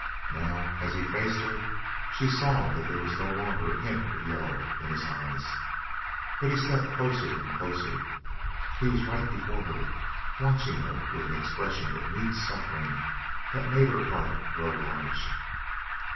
Now, as he faced her, she saw that there was no longer a hint of the yellow in his eyes, but he stepped closer and closer; he was right before her, watching her with an expression of mute suffering that made her heart grow large.